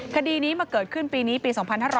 คดีนี้มาเกิดขึ้นปีนี้ปี๒๕๕๙